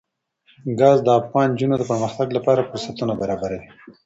ګاز د افغان نجونو د پرمختګ لپاره فرصتونه برابروي.